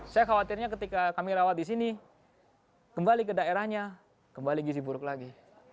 saya khawatirnya ketika kami rawat disini kembali ke daerahnya kembali berburu lagi